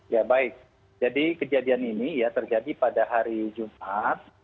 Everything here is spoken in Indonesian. ya baik jadi kejadian ini ya terjadi pada hari jumat